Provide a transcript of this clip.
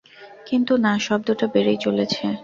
কিন্তু না, শব্দটা বেড়েই চলেছে।